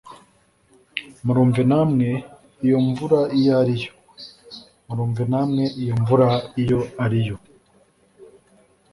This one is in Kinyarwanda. murumve namwe iyo mvura iyo ariyo, murumve namwe iyo mvura iyo ariyo.